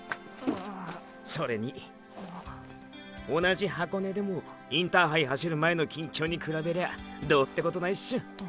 それに同じ箱根でもインターハイ走る前の緊張に比べりゃどうってことないっショ。